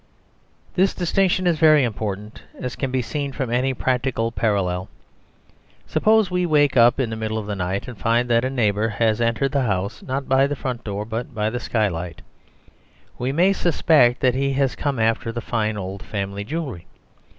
This distinction is very important, as can be seen from any practical parallel. Suppose we wake up in the middle of the night and find that a neighbour has entered the house not by the front door but by the skylight; we may suspect that he has come after the fine old family jewellery.